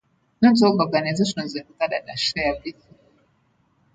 Not all organizations in Canada share this view.